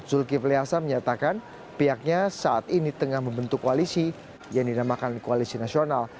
zulkifli hasan menyatakan pihaknya saat ini tengah membentuk koalisi yang dinamakan koalisi nasional